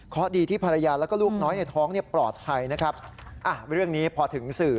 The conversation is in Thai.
เพราะดีที่ภรรยาแล้วก็ลูกน้อยในท้องเนี่ยปลอดภัยนะครับอ่ะเรื่องนี้พอถึงสื่อ